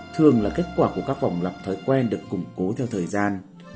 thường là kết quả của các vòng lập thói quen được củng cố theo thời gian